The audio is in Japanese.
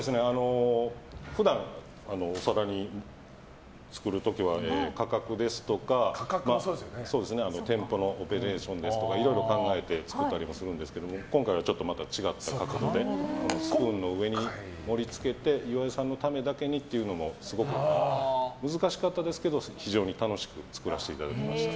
普段、お皿で作る時は価格ですとか店舗のオペレーションですとかいろいろ考えて作ったりはするんですけども今回はまたちょっと違った角度でスプーンの上に盛り付けて岩井さんのためだけにっていうのもすごく難しかったですけど非常に楽しく作らせていただきました。